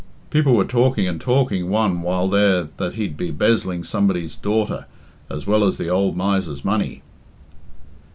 "People were talking and talking one while there that he'd be 'bezzling somebody's daughter, as well as the ould miser's money."